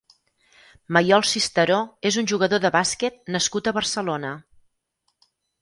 Maiol Cisteró és un jugador de bàsquet nascut a Barcelona.